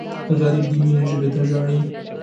غریب د مینې ژبې ته ژاړي